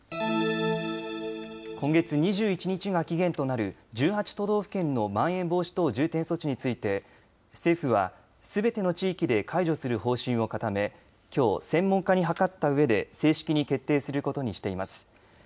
今月２１日が期限となる１８都道府県のまん延防止等重点措置について政府は、すべての地域で解除する方針を固めきょう、専門家に諮ったうえで正式に決定することにしています。